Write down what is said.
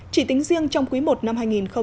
chỉ tính riêng trong quý i năm hai nghìn một mươi chín